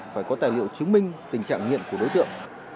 phải có tài liệu chứng minh tình trạng nghiện của đối tượng